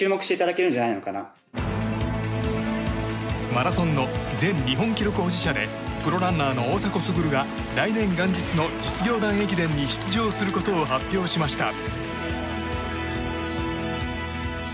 マラソンの前日本記録保持者でプロランナーの大迫傑が来年元日の実業団駅伝に出場することを発表しました。